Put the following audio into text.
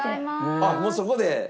あっもうそこで。